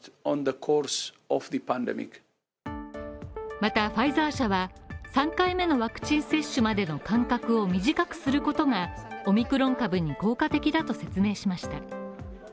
またファイザー社は、３回目のワクチン接種までの間隔を短くすることがオミクロン株に効果的だと説明しました。